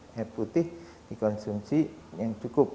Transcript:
air putih dikonsumsi yang cukup